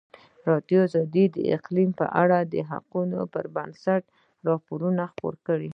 ازادي راډیو د اقلیتونه په اړه د حقایقو پر بنسټ راپور خپور کړی.